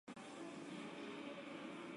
行政长官深切哀悼潘汉荣先生离世